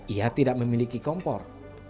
ia tidak memiliki kompor